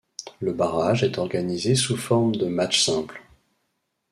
Le barrage est organisé sous forme de match simple.